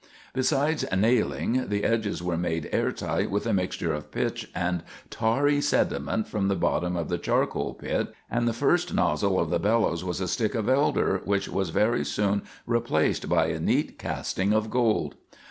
Besides nailing, the edges were made air tight with a mixture of pitch and tarry sediment from the bottom of the charcoal pit, and the first nozzle of the bellows was a stick of elder, which was very soon replaced by a neat casting of gold.